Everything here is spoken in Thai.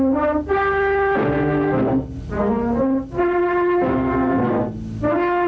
มค